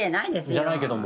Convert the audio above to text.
じゃないけども。